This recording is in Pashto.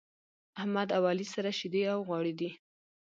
احمد او علي سره شيدې او غوړي دی.